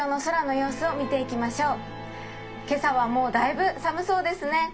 今朝はもうだいぶ寒そうですね。